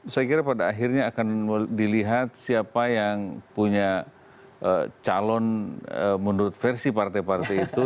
saya kira pada akhirnya akan dilihat siapa yang punya calon menurut versi partai partai itu